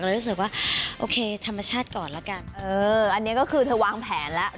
รู้สึกว่าโอเคธรรมชาติก่อนละกันอันนี้ก็คือเธอวางแผนแล้ว